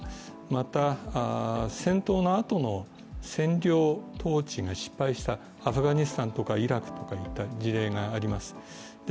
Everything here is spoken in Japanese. また、戦闘のあとの占領統治が失敗したアフガニスタンとかイラクといった事例があります。